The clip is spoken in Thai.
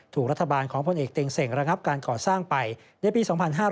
ถูกรัฐบาลของพลเอกเต็งเส่งระงับการก่อสร้างไปในปี๒๕๕๙